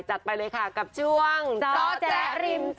จัดไปเลยค่ะกับช่วงจ๊อแจ๊ะริมจ๋อ